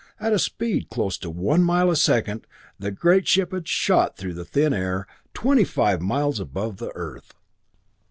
At a speed close to one mile a second the great ship had shot through the thin air, twenty five miles above the Earth.